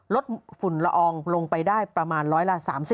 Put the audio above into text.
ฝุ่นละอองลงไปได้ประมาณร้อยละ๓๐